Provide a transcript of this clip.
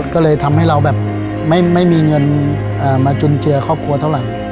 ก็เลยทำให้เราแบบไม่มีเงินมาจุนเจือครอบครัวเท่าไหร่